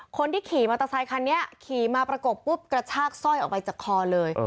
คนที่ขี่มอเตอร์ไซคันนี้ขี่มาประกบปุ๊บกระชากสร้อยออกไปจากคอเลย